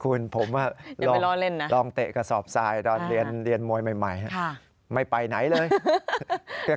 คุณผมลองเตะกระสอบทรายตอนเรียนมวยใหม่ไม่ไปไหนเลย